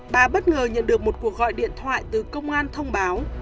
bà bất ngờ nhận được một cuộc gọi điện thoại từ công an thông báo